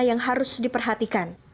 yang harus diperhatikan